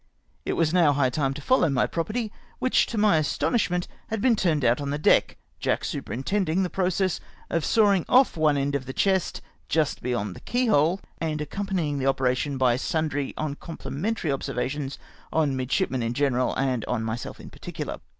It was now high time to foUow my property, which, to my astonishment, had been turned out on the deck — Jack superintending the process of sawing ofi' one end of the chest just be E 2 52 HIS IDEAS ON SEA CHESTS. yoiid tlie keyhole, and accompanying the operation by sundry uncomplimentary observations on midship men in general, and on myself in particular.